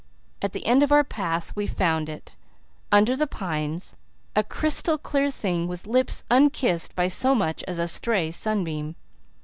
At the end of our path we found it, under the pines, a crystal clear thing with lips unkissed by so much as a stray sunbeam.